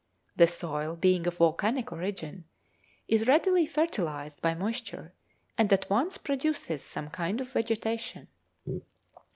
The soil, being of volcanic origin, is readily fertilised by moisture, and at once produces some kind of vegetation.